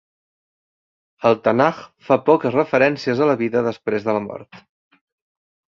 El Tanakh fa poques referències a la vida després de la mort.